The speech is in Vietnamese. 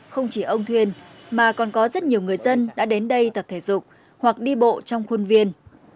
không chỉ ông thuyền mà còn có rất nhiều người dân đã đến đây tập thể dục hoặc đi bộ trong khuôn viên